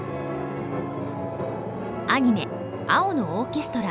アニメ「青のオーケストラ」